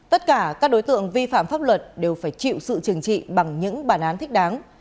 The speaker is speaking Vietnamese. tất cả các đối tượng vi phạm pháp luật đều phải chịu sự trừng trị bằng những bản án thích đáng